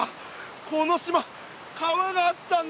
この島川があったんだ！